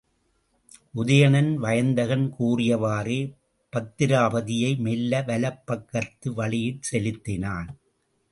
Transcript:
உதயணன் வயந்தகன் கூறியவாறே பத்திராபதியை மெல்ல வலப் பக்கத்து வழியிற் செலுத்தினான்.